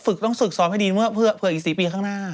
ฝึกต้องฝึกซ้อมให้ดีเผื่ออีก๔ปีข้างหน้า